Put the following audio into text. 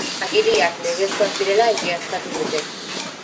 Agiriak legezkoak direla egiaztatu dute.